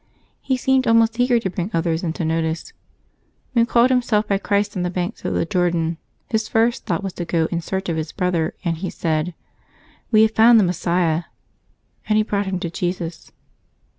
He seemed always eager to bring others into notice; when called himself by Christ on the banks of the Jordan, his first thought was to go in search of his brother, and he said, " We have found the Messias," and he brought him to Jesus.